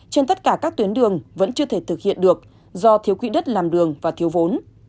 trên tất cả các tuyến đường vẫn chưa thể thực hiện được do thiếu quỹ đất làm đường và thiếu vốn